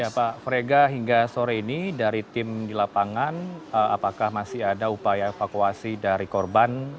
ya pak frega hingga sore ini dari tim di lapangan apakah masih ada upaya evakuasi dari korban